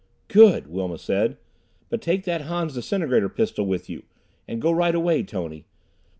"Good!" Wilma said. "But take that Han's disintegrator pistol with you. And go right away, Tony.